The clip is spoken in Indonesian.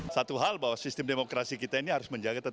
satu hal bahwa sistem demokrasi kita ini harus menjaga